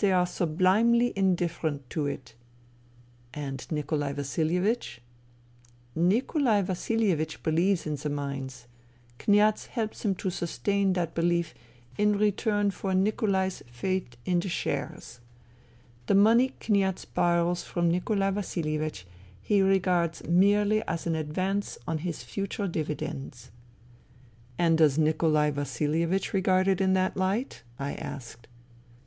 They are sublimely indifferent to it." THE THREE SISTERS 43 " And Nikolai Vasilievich ?"" Nikolai Vasilievich believes in the mines. Kniaz helps him to sustain that belief in return for Nikolai's faith in the shares. The money Kniaz borrows from Nikolai Vasilievich he regards merely as an advance on his future dividends." " And does Nikolai Vasilievich regard it in that hght ?" I asked.